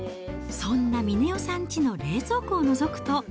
そんな峰代さんちの冷蔵庫をのぞくと。